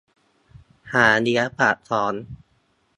หาเลี้ยงปากท้อง